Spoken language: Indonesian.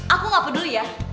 aku gak peduli ya